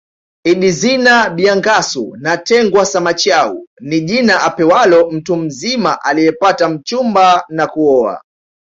Idizina bya Ngasu netangwa Samachau ni jina apewalo mtu mzima aliyepata mchumba na kuoa